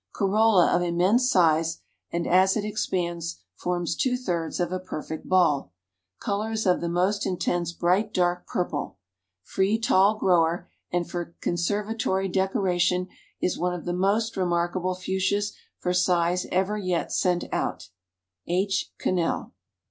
Corolla of immense size, and as it expands forms two thirds of a perfect ball. Color is of the most intense bright dark purple. Free tall grower, and for conservatory decoration is one of the most remarkable Fuchsias for size ever yet sent out." _H. Cannell.